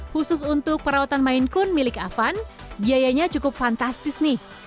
khusus untuk perawatan mainkun milik afan biayanya cukup fantastis nih